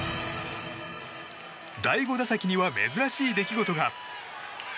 第５打席には珍しい出来事が。